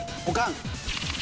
おかん。